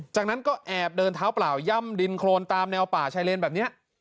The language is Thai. จากนั้นก็แอบเดินเท้าเปล่าย่ำดินโครนตามแนวป่าชายเลนแบบนี้